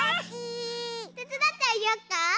てつだってあげよっか？